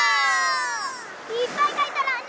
いっぱいかいとろうね！